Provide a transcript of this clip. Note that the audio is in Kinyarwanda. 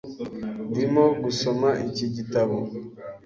Ndimo gusoma iki gitabo .